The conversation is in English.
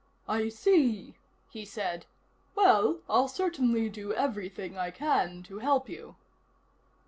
"I see," he said. "Well, I'll certainly do everything I can to help you."